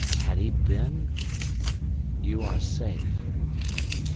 Had he been ? "You are safe."